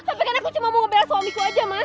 tapi kan aku cuma mau ngebela suamiku aja mas